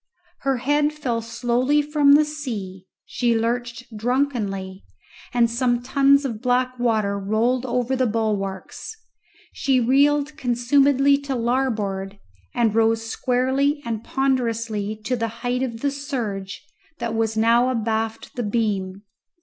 Her head fell slowly from the sea; she lurched drunkenly, and some tons of black water rolled over the bulwarks; she reeled consumedly to larboard, and rose squarely and ponderously to the height of the surge that was now abaft the beam.